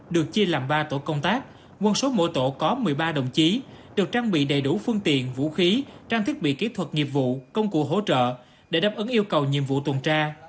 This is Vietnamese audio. được chia làm ba tổ công tác quân số mỗi tổ có một mươi ba đồng chí được trang bị đầy đủ phương tiện vũ khí trang thiết bị kỹ thuật nghiệp vụ công cụ hỗ trợ để đáp ứng yêu cầu nhiệm vụ tuần tra